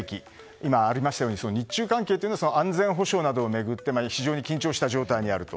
今、ありましたように日中関係は安全保障などを巡って非常に緊張した状況にあると。